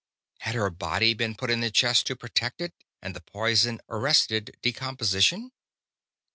Had her body been put in the chest to protect it, and the poison arrested decomposition?